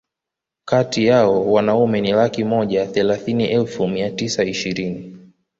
kati yao Wanaume ni laki moja thelathini elfu mia tisa ishirini